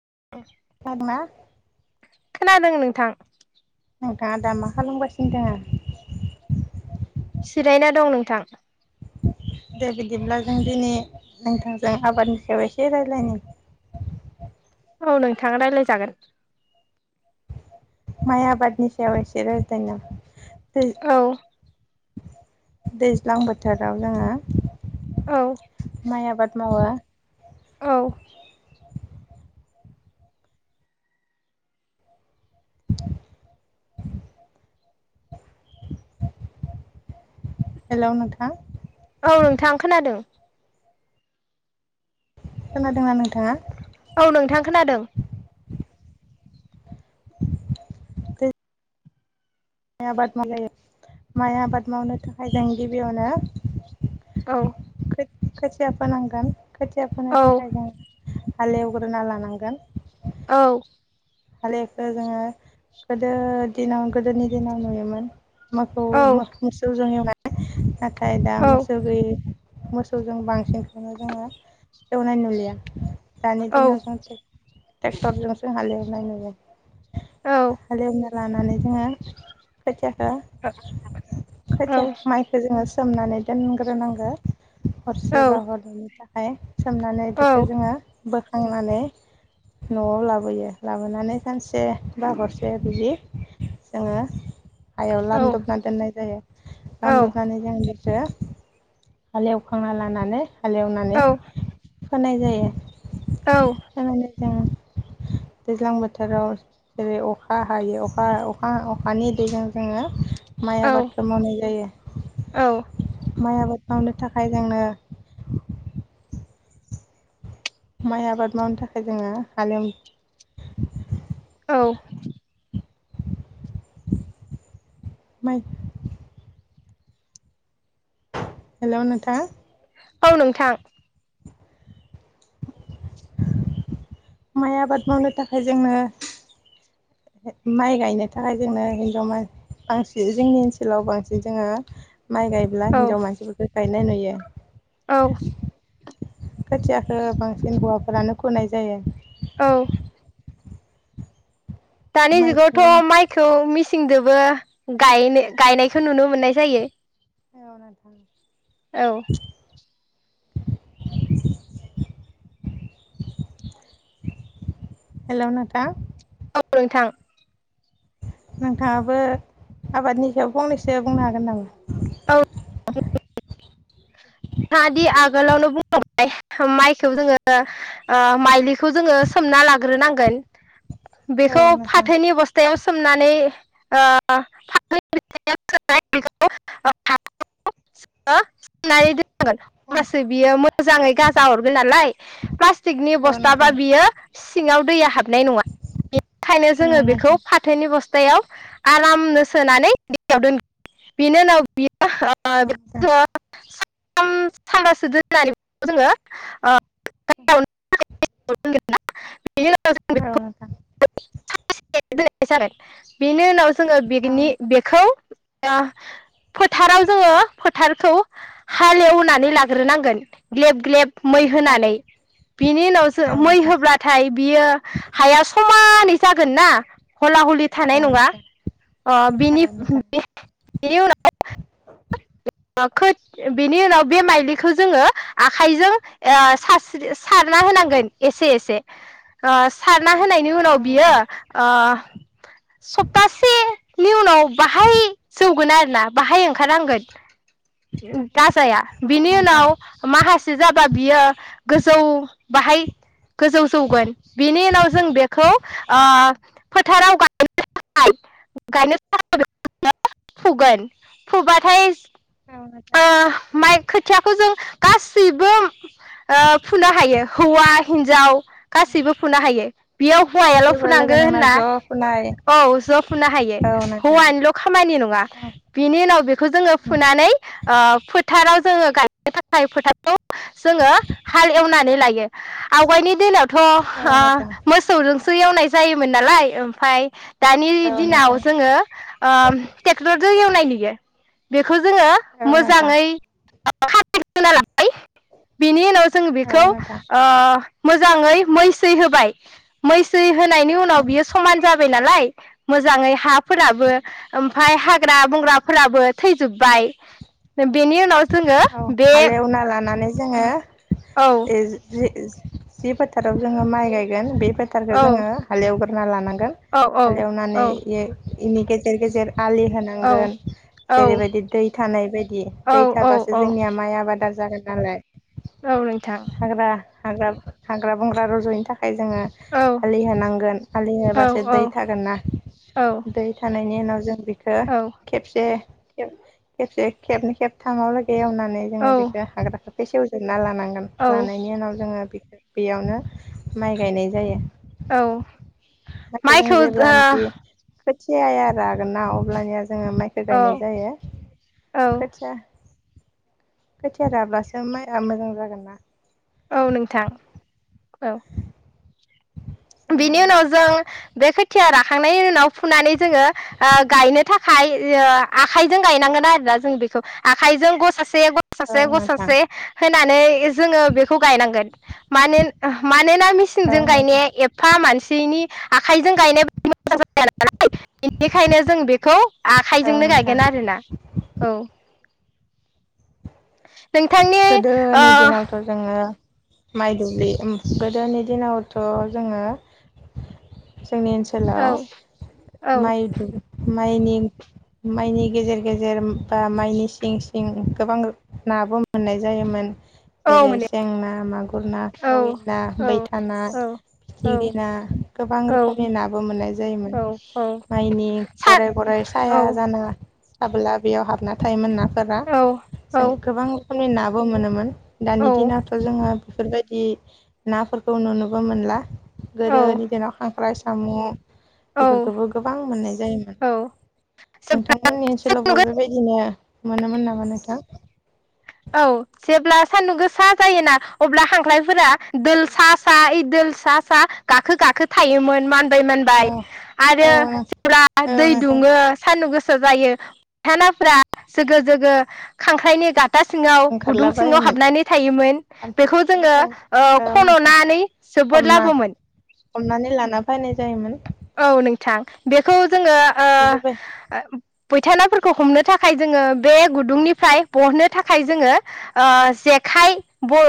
[unintelligible] खोनादों नोंथां नोंथाङा दा मा खालामगासिनो दोङो जिरायना दं नोंथां दा बिदिब्ला जों दिनै नोंथांजों आबादनि सायाव एसे रायज्लायनो औ नोंथाङा रायज्लाय जागोन माइ आबादनि सायाव एसे रायलायनो औ उम दैज्लां बोथोराव जोङो औ माइ आबाद मावा औ हेलौ नोंथां औ नोंथां खोनादों खोनादोंना नोंथाङा औ नोंथां खोनादों [inaudible] माइ आबाद मावलायो माइ आबाद मावनो थाखाय जों गिबियावनो औ खोथिया फोनांगोन खोथिया फोनो औ थाखाय हाल एवग्रोना लानांगोन औ हालेखो जोङो गोदो दिनाव गोदोनि दिनाव नुयोमोन। माखौ औ माख-मोसौ जों एवनाय ओ हो नाथाय दा औ मोसौ गैयै मोसौजों बांसिनखौनो जोङो एवनाय नुलिया। दानि औ औ दिनाव जोंफोर टेक्टर जोंसो हालेवो। नायनाय जा औ औ [inaudible] हालेवना लानानै जोङो [inaudible] खोथिया खो [inaudible] औ खोथिया माइखो जोङो सोमनानै दोनग्रोनांगो। हर सेबा हरनै हाये सोमनानै बिखौ जोङो बोख खांनानै, न'आव लाबोयो। लाबोनानै सानसे, बा हरसे बिदि, जोङो हायाव लामदबना दोननाय जायो। लामदबनानै जों खो [inaudible] हाल एवखांना लानानै हालेवनानै होनाय जायो। औ। उम दैज्लां बोथोराव जेरै अखा हायो अखा अखा अखानि दैजों जोङो माइ आबादखौ मावनाय जायो। औ माइ आबाद मावनो थाखाय जोंनो [inaudible] माइ आबाद मावनो थाखाय जोङो हालेव औ। माय हेलौ नोंथा। औ नोंथां। [inaudible] माइ आबाद मावनो थाखाय जोंनो, माइ गायनो थाखाय जोंनो हिनजाव मान-मानसि जोंनि ओनसोलाव बांसिन जोङो माइ गायब्ला औ हिन्जाव मानसिफोरखो गायनाय नुयो। औ खोथियाखो बांसिन हौवाफोरानो फुनाय जायो। औ दानि माइखौ जों जनगावथ' माइखौ मिस सिंदोबो गायनो गायनायखौ नुनो मोननाय जायो। औ नोंथां। औ। [inaudible] हेलौ नोंथां? [unintelligible] नोंथां। नोंथाङाबो आबादनि सायाव फंनैसो बुंनो हागोन नामा? औ। [unintelligible] मादि आब आगोलावनो बुंलांबाय माइखौ जोङो ओ माइलिखौ जोङो सोमना लाग्रोनांगोन। बेखौ औ नोंथां फाथोनि बस्थायाव सोमनानै ओ [unintelligible] [unintelligible] नायै दोननांगोन उम होमबासो बियो औ मोजाङै गाजा नोंथां हरगोन नालाय प्लास्टिकनि औ बस्थाबा नोंथां बियो सि सिङाव दैया हाब नाय नङा। बेनिखायनो औ नोंथां जोङो औ बेखौ नोंथां फाथोनि बस थायाव आरामनो सोनानै दैयाव दोन बिनि उनाव बियो औ ओ नोंथां [unintelligible] सान सानबासो दोननानै [inaudible] जोङो ओ [unintelligible] बिनि उनाव जों औ नोंथां औ नोंथां बिखौ [unintelligible] सानसे [unintelligible] बिनो उनाव जोङो औ बेगिनि नोंथां बेखौ [inaudible] फोथाराव जोङो फोथार खौ हालेवनानै लाग्रोनांगोन। ग्लेब ग्लेब औ मै नोंथां होनानै बिनि उनावसो औ मै नोंथां होब्लाथाय बियो हाया समानै दि जागोन ना हला हलि थानाय औ नोंथां औ नङा अ बिनि [unintelligible] बिनि उनाव [unintelligible] खोथ बिनि उनाव बे माइलिखौ जोङो आखाइजों ओ सारस्रि सारना होनांगोन एसे एसे। ओ सारना होनायनि उनाव बियो ओ सप्तासेनि उनाव बाहाय जौगोन आरो ना बाहाय ओंखारहांगोन। गाजाया बिनि नोंथां उनाव माहास सो जाबा बियो गोजौ बाहाय गोजौ जौगोन बिनि उनाव जों बेखौ ओ औ फोथाराव गाय [unintelligible] गायनो [unintelligible] [unintelligible] फुगोन फुबाथाय औ नोंथां आ माइ खोथियाखौ जों गासैबो ओ फुनो हायो हौवा हिन्जाव गासैबो फुनो हायो। बेयाव हौवायाल' गासैबो लोगो फुनांगो नांना होनना ज' फुनाय औ ज' फुननो हायो औ नोंथां हौवानिल' [unintelligible] नि नंङा औ बिनि उनाव बेखौ जोंङो उम फुनानै ओ फोथाराव जोंङो गायनो थाखाय फोथारखौ जोंङो हाल एवनानै लायो आवगायनि दिनाव थ' ओ औ नोंथां मोसौजों सो एवनाय जायोमोन नालाय ओमफाय दानि औ दिनाव नोंथां जोंङो आम टेक्टरजों एवनाय नुयो बेखौ जोंङो औ नोंथां औ नोंथां मोजांङै [unintelligible] [unintelligible] बिनि उनाव जों बेखौ ओ औ मोजांङै मैसै होबाय मैसै होनायनि उनाव बियो समान जाबाय नालाय मोजांङै औ हाफोराबो नोंथां ओमफाय हाग्रा बंग्राफोराबो थैजोबबाय। औ हालेवना लानानै जोंङो औ [unintelligible] जि फोथाराव जोंङो माइ गायगोन बे फोथारखौ औ जोंङो हालेव होना लानानै गोन औ औ हालेवनानै औ ए इनि गेजेर गेजेर। आलि औ होनांगोन जेरैबायदि दै थानाय बायदि दै औ औ थाबासो औ जोंनिया माइ आबादा जागोन नालाय। औ नोंथां हाग्रा हाग्रा हाग्रा बंग्रा रजयिनि थाख खाय जोंङो औ आलि होनांगोन आलि औ होबासो दै औ थागोन ना औ दै थानायनि उनाव जों बिखौ औ खेबसे खेब खेबसे खेबनै खेब थामाव लागि से एवनानै जोंङो औ बेखौ हाग्राखो बे सेवजोबना लानां गोन औ लानायनि उनाव जोङो बे बेयावनो माइ गायनाय जायो औ जों माइखौ ओ जेब्लानोखि खोथियाया रागोन ना अब्लानिया जोङो माइखो औ गायनाय जायो औ खोथिया खोथिया राब्लासो माइआ मोजां जागोन ना? औ नोंथां औ जोङो बिनि उनाव जों बे खो थियार राखांनायनि उनाव फुनानै जोङो ओ गायनो थाखाय ओ आखायजों गायनांगोन आरोना जों बेखौ आखाइजों ग'सा से ग'सासे औ नोंथां ग'सासे होनानै जोङो बेखौ गायनांगोन मा मानोना औ मिसिंजों नोंथां गायनाया आ मानसिनि आखाइजों गायनाया मोजां [unintelligible] जाया नालाय बेनिखायनो जों बेखौ औ आखाइजोंनो नोंथां गायगोन आरोना औ नोंथांनि ओ गोदोनि दिनावथ' जोङो माइ दुब्लि गोदोनि दिनावथ' जोङो जोंनि औ ओनसोलाव औ माइ दु माइनि माइनि गेजेर-गेजेर बा माइनि सिं-सिं गोबां नाबो मोननाय जायोमोन औ जेरै मोनो सें ना मागुर ना औ खावै ना बैथा ना औ फिथिख्रि ना गोबां औ रोखोमनि नाबो मोननाय जायोमोन औ औ माइनि सा गराय गराइ साया औ जाना थाबोला बेयाव हाबना थायोमोन नाफोरा औ जों गोबां खोमनि नाबो मोनोमोन औ दानि दिनावथ' जोङो बेफोरबादि नाफोरखौ नुनोबो मोनला गोदोनि दिनाव खांख्राय सा साम' औ बेफोरखौबो गोबां मोननाय जायोमोन नोंथांमोननि ओनसोलावबो बेबायदिनो मोनोमोन नामा नोंथां? हो औ जेब्ला सान्दुं गोसा जायोना अब्ला खांख्रायफोरा दोल सा सा ओइ दोल सा सा गाखो गाखो थायोमोन मान औ दैमोनबाय आरो औ [unintelligible] फुरा औ दै नोंथां दुङो सान्दुं गोसा जायो फथानाफ्रा जोगो जोगो खांख्राइनि गा सिङाव गुदुं ओंखारला सिङाव बायोमोन हाबनानै थायोमोन बेखौ जोङो नाथाय ओ औ नोंथां खन'नानै जोबोद हमना लाबोमोन हमनानै लाना फैनाय जायोमोन औ नोंथां बेखौ जोङो बेफोरबाय ओ फैथायनाफोरखौ हमनो थाखाय जोङो बे गुदुंनिफ्राय बहनो थाखाय जोङो ओ जेखाय ब'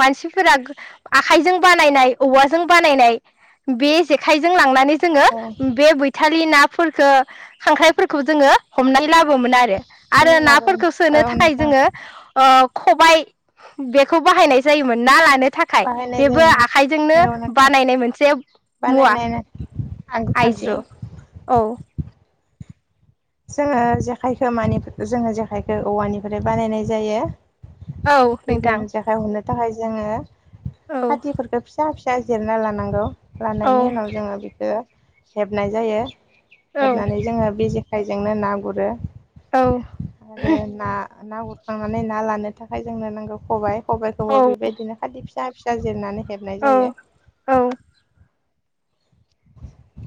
मानसिफोरा गो आखाइजों बानायनाय औवाजों बानायनाय बे जेखायजों लांनानै जोङो औ बे बैथा प्लि नाफोरखो खांख्राइफोरखौ जोङो हमनानै लाबोमोन आरो। आरो लाबोयो नाफोरखौ सोनो औ थाखाय नोंथां जोङो ओ खबाय बेखौ बाहायनाय जायोमोन ना लानो थाखाय बाहायनाय बेबो जायोमोन आखाइजोंनो औ नोंथां बानायनाय मोनसे मुवा बानायनाय आयजें आगजु औ जोङो जेखायखो मानि जोङो जेखायखो औवानिफ्राय बानायनाय जायो। औ खिबान नोंथां जेखाय हमनो थाखाय जोङो औ खाथिफोरखौ फिसा फि सा जिरना लानांगौ। औ लानायनि उनाव जोङो बिखो हेबनाय जायो‌। हेबनानै जोङो बेेजो खाइजोंनो ना गुरो। औ आरो ना ना गुरखांनानै ना लानो थाखाय जोंनो नांगौ खबाय। खबायखौबो औ बेबायदिनो खाथि फि सा फिसा जिरनानै हेबनाय औ जायो। औ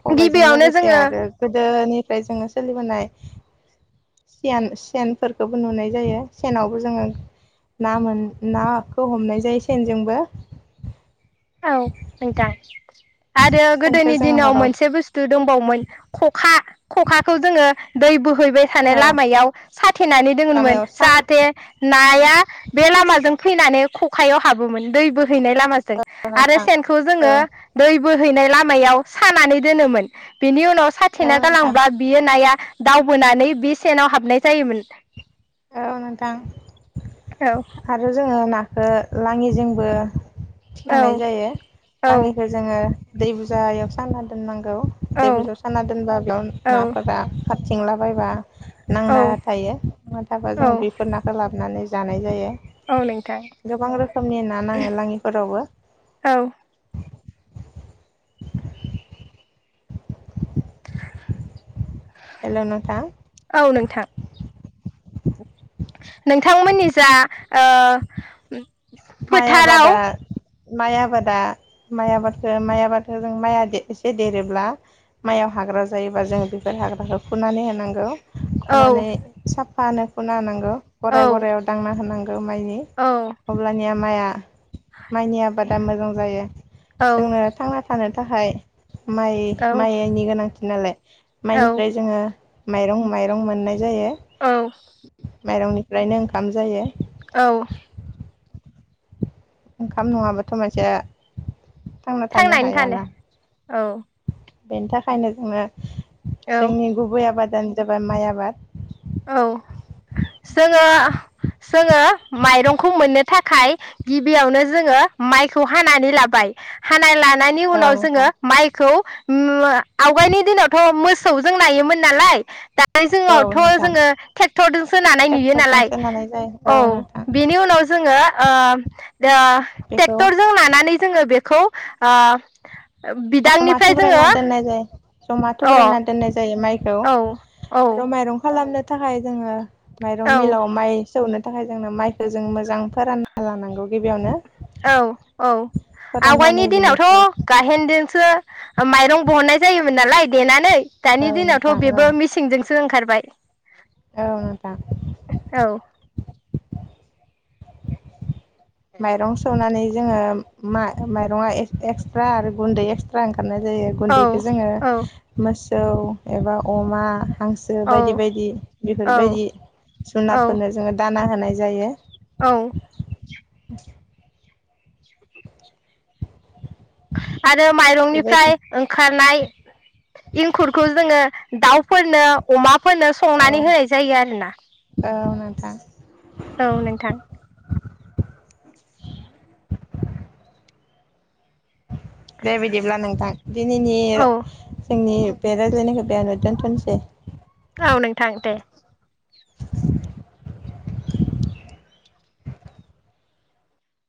खबायजों गिबियावनो लोगोसे जोङो आरो गोदोनि फ्राय जोङो सोलिबोनाय सियान सेनफोरखौबो नुनाय जायो। सेनावबो जोङो ना मोन नाखौ हमनाय जायो सेनजोंबो। औ नोंथां आरो सेनखौ गोदोनि जोङो दिनाव हराव मोनसे बुस्थु दंबावोमोन खखा खखाखौ जोङो दै बो हैबाय थानाय औ लामायाव साथेनानै दोङोमोन लामायाव सान औ जाहाथे नाया बे लामाजों फैनानै ख' खायाव हाबोमोन दै बोहैनाय लामाजों। आरो नोंथां सेनखौ जोङो औ दै बोहैनाय लामायाव सानानै दोनोमोन बेनि उन नाव साथेना औ नोंथां गालांब्ला बियो नाया दावबोनानै बे सेनाव हाबनाय जायोमोन। औ नोंथां औ आरो जोङो ना ओ लाङिजोंबो थिखांनाय जायो औ लाङिखौ जोङो दै बुजायाव साना दोननांगौ औ दै बुजायाव साना दोनबा बेयाव औ नाफोरा खारथिंलाबायबा औ नांना थायो नांना थाबा औ जोङो बेफोर नाखौ लाबोनानै जानाय जायो औ नोंथां गोबां रोखोमनि ना नाङो लाङिफोरावबो। औ हेलौ नोंथां औ नोंथां नोंथांमोननि जा ओ माइ फोथाराव आबादा माइ आबादा माइ आबादखौ माइ आबादखौ जों माइआ एसे देरोब्ला माइयाव हाग्रा जायोबा जोङो बेफोर हाग्राखौ फुनानै होनांगौ औ फुनानै साफ [unintelligible] फुना होनांगौ औ गराय गरायाव दांना होनांगौ माइनि औ माइआ माइनि आबादा मोजां जायो जोंनो थांना थानो थाखाय माइ औ माइनि गोनांथि नालाय औ माइनिफ्राय जोङो माइरं माइरं मोननाय जायो औ माइरंनि निफ्रायनो ओंखाम जायो। औ ओंखाम नङाबाथ' मानसिया थांना थांनानै थानो हायाना औ बेनि थाखायनो जोङो जोंनि गुबै आबादानो जाबाय माइ आबाद औ जोङो जोङो माइरंखौ मोननो थाखाय गिबियावनो जोङो माइखौ हानानै लाबाय हाना ला नायनि औ उनाव जोङो नोंथां माइखौ आवगायनि दिनावथ' मो मोसौजों नायोमोन नालाय औ [unintelligible] नोंथां जोङो ट्रेक्टदजोंसो नानाय नुयो नालाय ट्रेक्टरजोंसो नानाय जायो औ नोंथां बेनि उनाव जोङो ओ दो बेखौ ट्रेक्टरजों नानानै जोङो बेखौ ओ जमा बिदांनिफ्राय जोङो थुब्रायना दोननाय जायो जमा अ थुब्रायना दोननाय जायो माइ औ औ खालामनो थाखाय जोङो माइरं औ मिलाव माइ सौनो थाखाय जोंनो माइखो जों मोजां फोरानना लानांगौ गिबियावनो औ औ आवगायनि फोराननानै बिनिफ्राय दिनावथ' गाहेनदोंसो माइरं बहननाय जायोमोन नालाय देनानै दानि औ नोंथां दिनावथ' औ बेबो मिसिंजोंसो ओंखार बाय औ नोंथां। औ माइरं सौनानै जोङो मा माइरङा एक्स-एक्सट्रा आरो गुन्दै एक्सट्रा खारनाय जायो औ गुन्दैखो जोङो औ मास जौ एबा अमा। हांसो बायदि औ बायदि औ बेफोरबायदि औ जुनारफोरनो जोङो दान ना होनाय जायो औ। आरो माइरंनिफ्राय बेबायदि ओंखारनाय इंखुरखौ जोङो दाउफोरनो अमा फोरनो औ संनानै होनाय जायो आरोना। थां। औ नोंथां। दे बिदिब्ला नोंथां दिनैनि औ जोंनि बे रायलायनायखो बेयावनो दोनथ'नोसै। औ नोंथां दे। [inaudible]